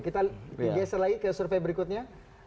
kita geser lagi ke survei berikutnya